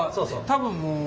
多分もう。